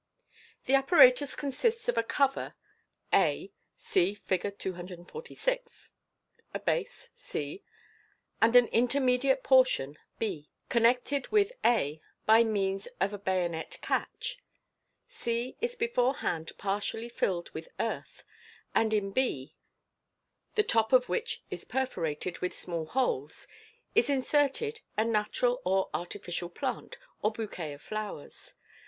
The apparatus consists of a cover a (see Fig. 246), a base c, and an intermediate portion b, connected with a by means of a bayonet catch j c is beforehand partially filled with earth, and in b, the top of which is perforated with small holes, is inserted a natu ral or artificial plant, or bouquet of flowers.